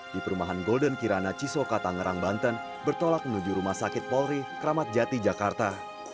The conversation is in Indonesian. di perumahan golden kirana cisokatangerang banten bertolak menuju rumah sakit polri kramatjati jakarta